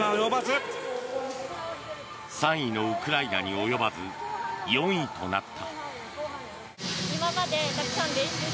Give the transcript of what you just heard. ３位のウクライナに及ばず４位となった。